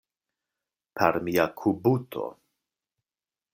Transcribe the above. Per mia kubuto.